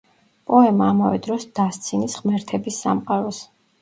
პოემა ამავე დროს დასცინის ღმერთების სამყაროს.